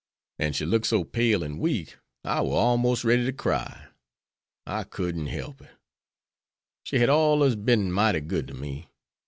An' she looked so pale and weak I war almost ready to cry. I couldn't help it. She hed allers bin mighty good to me.